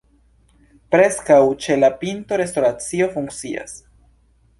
Preskaŭ ĉe la pinto restoracio funkcias.